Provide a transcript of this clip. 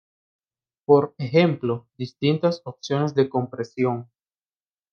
Por ejemplo: distintas opciones de compresión.